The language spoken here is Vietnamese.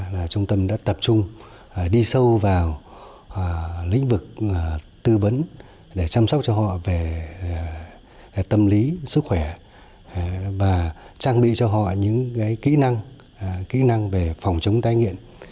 là nhà thứ hai của mình